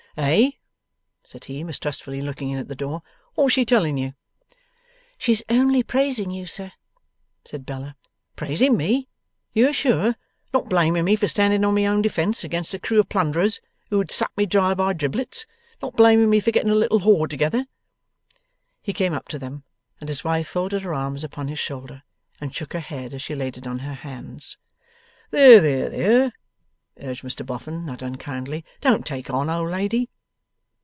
'Eh?' said he, mistrustfully looking in at the door. 'What's she telling you?' 'She is only praising you, sir,' said Bella. 'Praising me? You are sure? Not blaming me for standing on my own defence against a crew of plunderers, who could suck me dry by driblets? Not blaming me for getting a little hoard together?' He came up to them, and his wife folded her hands upon his shoulder, and shook her head as she laid it on her hands. 'There, there, there!' urged Mr Boffin, not unkindly. 'Don't take on, old lady.